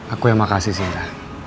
aku yang makasih sinta